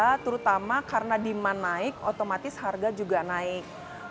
sudah terutama karena di mana naik otomatis harga juga naik